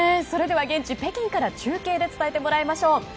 それでは現地・北京から中継で伝えてもらいましょう。